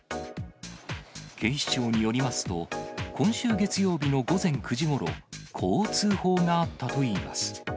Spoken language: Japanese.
警視庁によりますと、今週月曜日の午前９時ごろ、こう通報があったといいます。